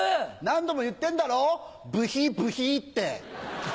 何度も言ってんだろブヒブヒって。